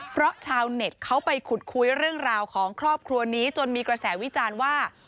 เพราะชาวเน็ตเขาไปขุดคุยเรื่องราวของครอบครัวนี้จนมีกระแสวิจารณ์ว่า